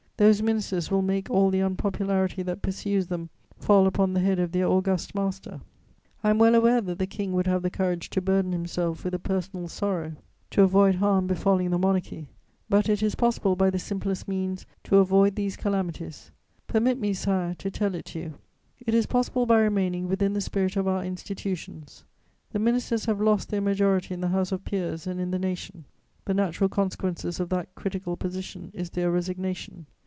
Those ministers will make all the unpopularity that pursues them fall upon the head of their august master. I am well aware that the King would have the courage to burden himself with a personal sorrow to avoid harm befalling the Monarchy; but it is possible, by the simplest means, to avoid these calamities; permit me, Sire, to tell it to you: it is possible by remaining within the spirit of our institutions; the ministers have lost their majority in the House of Peers and in the nation, the natural consequences of that critical position is their resignation.